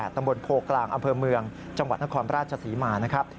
ตำบลโพกลางอำเภอเมืองจังหวัดนครราชศรีมานะครับ